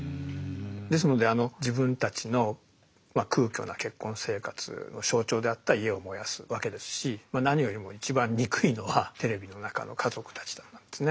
ですので自分たちの空虚な結婚生活の象徴であった家を燃やすわけですし何よりも一番憎いのはテレビの中の「家族」たちなんですね。